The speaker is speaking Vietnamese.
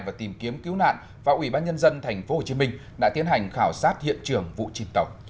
và tìm kiếm cứu nạn và ủy ban nhân dân tp hcm đã tiến hành khảo sát hiện trường vụ chìm tàu